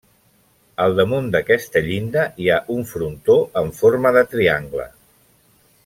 Al damunt d'aquesta llinda hi ha un frontó en forma de triangle.